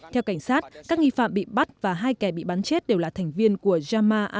theo cảnh sát các nghi phạm bị bắt và hai kẻ bị bắn chết đều là thành viên của jama ansarut daula